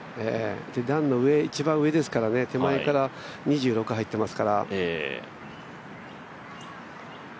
段の一番上ですから、手前から２６入っていますから。